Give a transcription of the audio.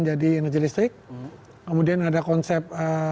jadi energi listrik kemudian ada konsep